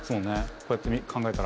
こうやって考えたら。